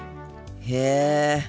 へえ。